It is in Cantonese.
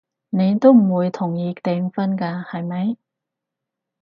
你都唔會同意訂婚㗎，係咪？